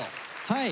はい。